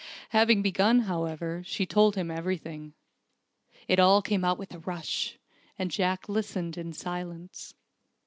Having begun, however, she told him everything. It all came out with a rush, and Jack listened in silence.